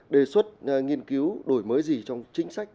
đề xuất nghiên cứu đổi mới gì trong chính sách